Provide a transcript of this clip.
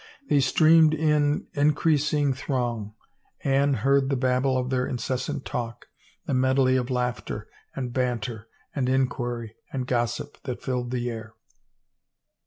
They streamed in increas ing throng. Anne heard the babble of their incessant talk, the medley of laughter and banter and inquiry and gossip that filled the air.